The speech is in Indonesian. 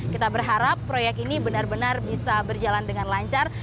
kita berharap proyek ini benar benar bisa berjalan dengan lancar